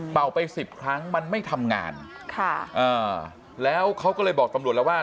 ไปสิบครั้งมันไม่ทำงานค่ะอ่าแล้วเขาก็เลยบอกตำรวจแล้วว่า